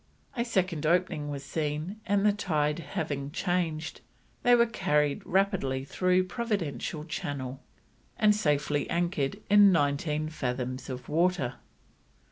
A second opening was seen, and, the tide having changed, they were carried rapidly through Providential Channel and safely anchored in nineteen fathoms of water.